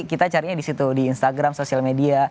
kita carinya di situ di instagram social media